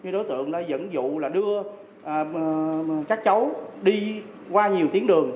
đối tượng đã dẫn dụ đưa các cháu đi qua nhiều tiếng